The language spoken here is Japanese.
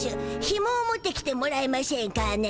ひもを持ってきてもらえましぇんかね？